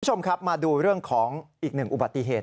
คุณผู้ชมครับมาดูเรื่องของอีกหนึ่งอุบัติเหตุ